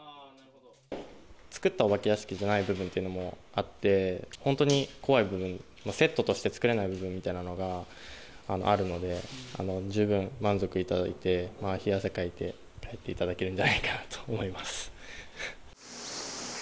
作ったお化け屋敷じゃない部分っていうのもあって、本当に怖い部分、セットとして作れない部分みたいなのがあるので、十分満足いただいて、冷や汗かいて帰っていただけるんじゃないかなと思います。